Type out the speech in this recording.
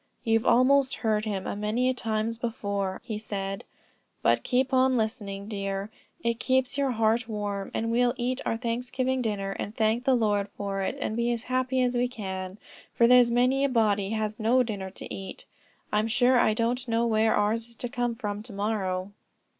"You've almost heard him a many times before," he said; "but keep on listening, dear, it keeps your heart warm; and we'll eat our Thanksgiving dinner, and thank the Lord for it, and be as happy as we can, for there's many a body has no dinner to eat. I'm sure I don't know where ours is to come from to morrow."